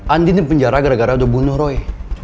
andi dipenjara gara gara udah bunuh roy